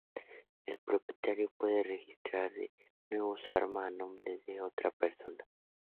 El propietario puede registrar de nuevo su arma a nombre de otra persona.